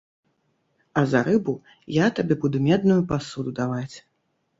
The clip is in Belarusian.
А за рыбу я табе буду медную пасуду даваць.